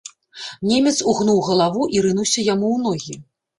Немец угнуў галаву і рынуўся яму ў ногі.